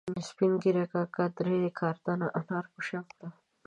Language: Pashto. سپین ږیري کاکا درې کارتنه انار په شا کړي